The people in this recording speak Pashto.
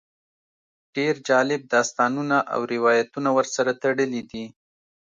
ډېر جالب داستانونه او روایتونه ورسره تړلي دي.